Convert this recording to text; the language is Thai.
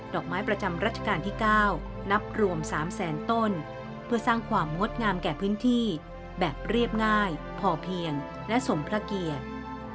อกไม้ประจำรัชกาลที่๙นับรวม๓แสนต้นเพื่อสร้างความงดงามแก่พื้นที่แบบเรียบง่ายพอเพียงและสมพระเกียรติ